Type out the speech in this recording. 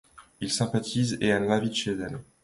Ils sympathisent et elle l'invite chez elle.